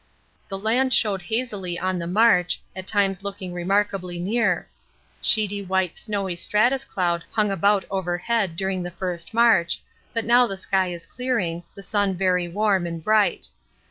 The land showed hazily on the march, at times looking remarkably near. Sheety white snowy stratus cloud hung about overhead during the first march, but now the sky is clearing, the sun very warm and bright.